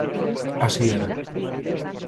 Así era.